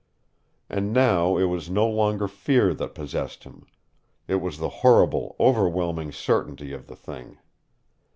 And now it was no longer fear that possessed him. It was the horrible, overwhelming certainty of the thing.